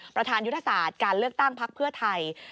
ประธานยุทธศาสตร์การเลือกตั้งพักเพื่อไทย